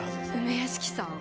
梅屋敷さん？